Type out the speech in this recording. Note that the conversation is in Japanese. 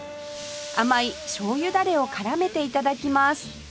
甘いしょうゆダレを絡めて頂きます